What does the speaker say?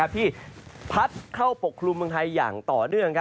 ที่พัดเข้าปกคลุมเมืองไทยอย่างต่อเนื่อง